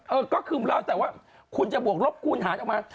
เออก็คือแล้วแต่ว่าคุณจะบวกลบคูณหารออกมา